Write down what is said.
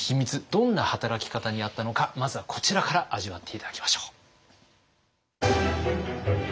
どんな働き方にあったのかまずはこちらから味わって頂きましょう。